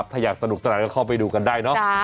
ถ้าอยากสนุกสนานก็เข้าไปดูกันได้เนอะ